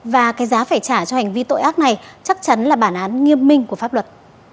và cái giá phải trả cho hành vi tội ác này chắc chắn là bản án nghiêm minh của pháp luật